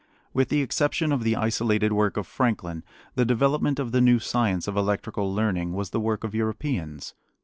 With the exception of the isolated work of Franklin, the development of the new science of electrical learning was the work of Europeans.